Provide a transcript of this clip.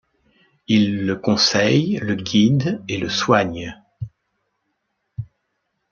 Il le conseille, le guide et le soigne.